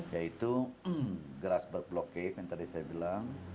yaitu grassberg block cave yang tadi saya bilang